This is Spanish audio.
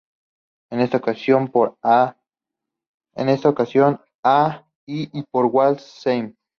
En esta ocasión a y por "Walk of Shame".